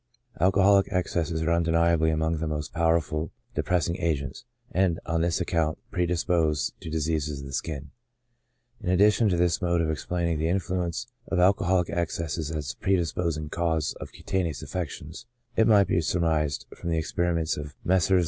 Alcoholic excesses are undeniably among the most power ful depressing agents, and on this account predispose to dis eases of the skin. In addition to this mode of explaining the influence of alcoholic excesses as a predisposing cause of cutaneous affections, it might be surmised, from the ex periments of Messrs.